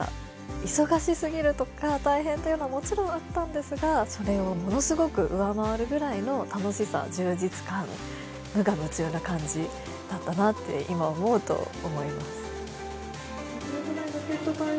忙しすぎるとか大変というのはもちろんあったんですがそれをものすごく上回るぐらいの楽しさ充実感無我夢中な感じだったなって今思うと思います。